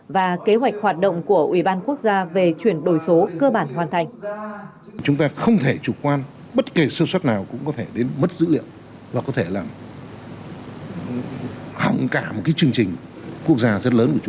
và kế hoạch hoạt động của ủy ban quốc gia về chuyển đổi số cơ bản hoàn thành